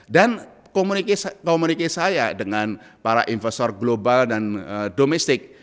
dan komunikasi saya dengan para investor global dan domestik